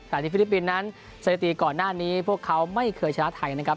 แต่ทีมชชาไทยสนิดหนึ่งก่อนหน้านี้พวกเขาไม่คือชนะไทยนะคะ